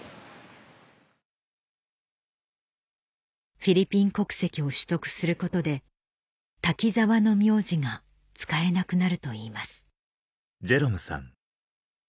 フィリピン国籍を取得することで「滝澤」の名字が使えなくなるといいます